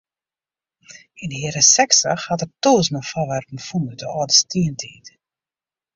Yn de jierren sechstich hat er tûzenen foarwerpen fûn út de âlde stientiid.